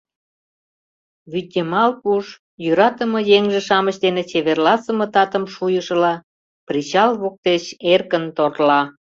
Вӱдйымал пуш, йӧратыме еҥже-шамыч дене чеверласыме татым шуйышыла, причал воктеч эркын торла.